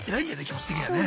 気持ち的にはね。